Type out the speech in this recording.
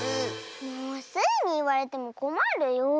もうスイにいわれてもこまるよ。